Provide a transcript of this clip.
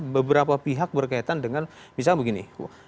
beberapa pihak berkaitan dengan misalnya begini